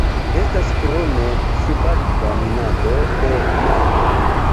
Estas krome subakva minado de nafto.